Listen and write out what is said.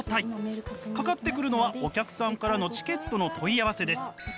かかってくるのはお客さんからのチケットの問い合わせです。